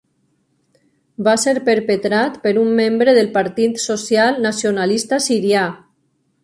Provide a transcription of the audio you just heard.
Va ser perpetrat per un membre del Partit Social Nacionalista Sirià.